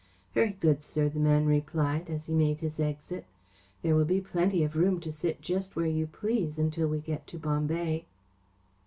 "Very good, sir," the man replied, as he made his exit. "There will be plenty of room to sit just where you please until we get to Bombay."